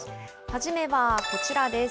初めはこちらです。